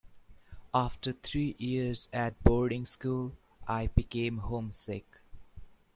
After three years at boarding school I became homesick.